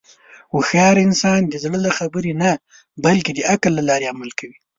هوښیار انسان د زړه له خبرې نه، بلکې د عقل له لارې عمل کوي.